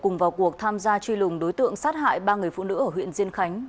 cùng vào cuộc tham gia truy lùng đối tượng sát hại ba người phụ nữ ở huyện diên khánh